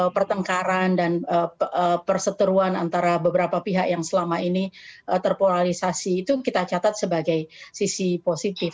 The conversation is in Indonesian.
pertengkaran dan perseteruan antara beberapa pihak yang selama ini terpolarisasi itu kita catat sebagai sisi positif